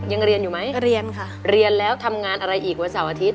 ยังเรียนอยู่ไหมเรียนค่ะเรียนแล้วทำงานอะไรอีกวันเสาร์อาทิตย